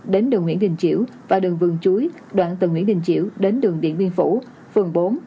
đến đường nguyễn đình chiểu và đường vườn chuối đoạn từ nguyễn đình chiểu đến đường điện biên phủ phường bốn